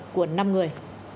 của năm người